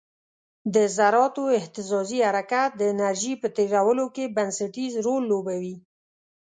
د ذراتو اهتزازي حرکت د انرژي په تیرولو کې بنسټیز رول لوبوي.